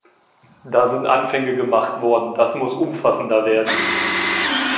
Da sind Anfänge gemacht worden, das muss umfassender werden.